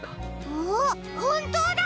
あっほんとうだ！